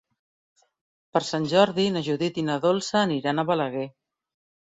Per Sant Jordi na Judit i na Dolça aniran a Balaguer.